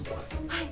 はい。